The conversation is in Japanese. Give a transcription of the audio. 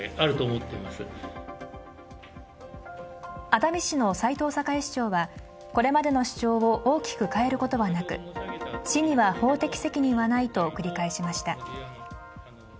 熱海市の齊藤栄市長は、これまでの主張を大きく変えることはなく市には法的責任はないと繰り返しました。